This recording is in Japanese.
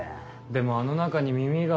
でもあの中に耳が。